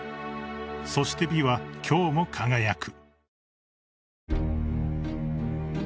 ［そして美は今日も輝く］